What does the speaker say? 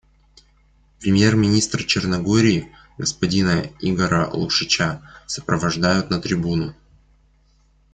Премьер-министра Черногории господина Игора Лукшича сопровождают на трибуну.